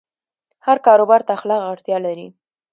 هر کاروبار ته اخلاق اړتیا لري.